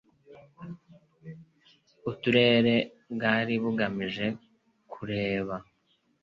Uturere bwari bugamije kureba